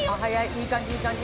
いい感じいい感じ。